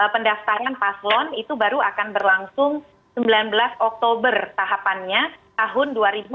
pendaftaran paslon itu baru akan berlangsung sembilan belas oktober tahapannya tahun dua ribu dua puluh